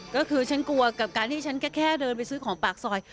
ก็คือฉันกลัวกับการที่ฉันแค่เดินไปซื้อของปากซอย